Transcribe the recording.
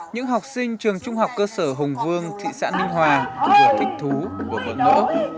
những học sinh trường trung học cơ sở hùng vương thị xã ninh hòa vừa thích thú vừa bở ngỡ